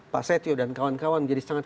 pak setio dan kawan kawan menjadi sangat